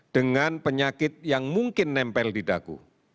dengan penyakit yang mungkin nempel di dagu